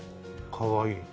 かわいい。